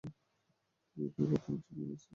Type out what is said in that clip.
প্রতিযোগিতার বর্তমান champion Barcelona.